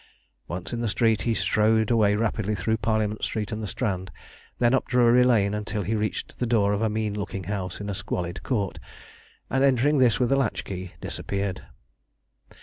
Once in the street he strode away rapidly through Parliament Street and the Strand, then up Drury Lane, until he reached the door of a mean looking house in a squalid court, and entering this with a latch key, disappeared.